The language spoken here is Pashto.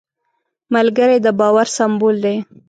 ملګری د باور سمبول دی